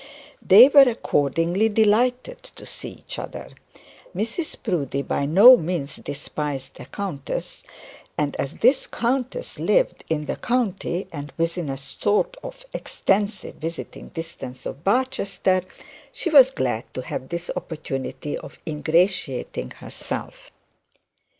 They were accordingly delighted to see each other. Mrs Proudie by no means despised a countess, and as this countess lived in the county and within a sort of extensive visiting distance of Barchester, she was glad to have this opportunity of ingratiating herself.